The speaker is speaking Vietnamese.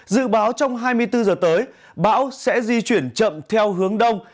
dự báo trong hai mươi bốn giờ tới bão sẽ di chuyển chậm theo hướng đông